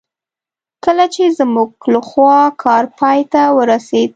کله چې زموږ لخوا کار پای ته ورسېد.